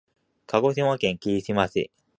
鹿児島県霧島市